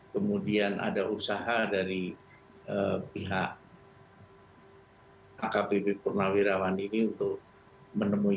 kemudian ada usaha dari pihak akbp purnawirawan ini untuk menemui